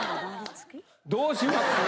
どうします？